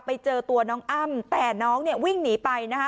ไปเจอตัวน้องอ้ำแต่น้องเนี่ยวิ่งหนีไปนะคะ